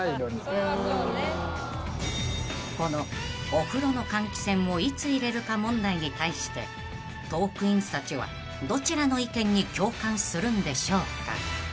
［このお風呂の換気扇もいつ入れるか問題に対してトークィーンズたちはどちらの意見に共感するんでしょうか］